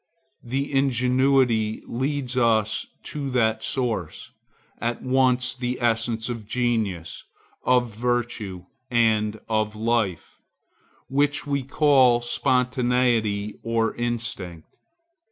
The inquiry leads us to that source, at once the essence of genius, of virtue, and of life, which we call Spontaneity or Instinct.